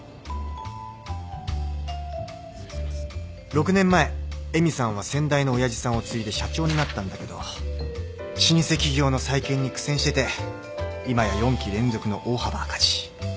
６年前絵美さんは先代の親父さんを継いで社長になったんだけど老舗企業の再建に苦戦してて今や４期連続の大幅赤字。